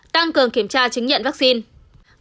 tăng cường kiểm tra chứng nhận vaccine